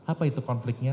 apa itu konfliknya